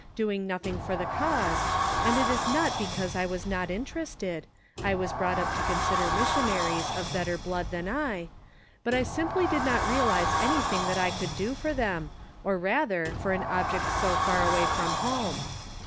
doing nothing for the cause, and it is not be cause I was not interested, I was brought up to consider missionaries of better blood than I, but I simply did not realize anything that I could do for them, or rather for an object so far away from home.